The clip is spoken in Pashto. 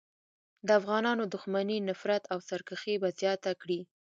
د افغانانو دښمني، نفرت او سرکښي به زیاته کړي.